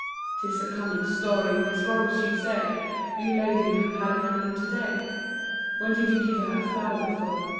'Tis a common story. This rose, you say, You laid in her pallid hand to day ? When did you give her a flower before